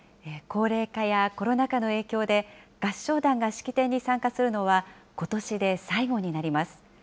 高齢化やコロナ禍の影響で、合唱団が式典に参加するのはことしで最後になります。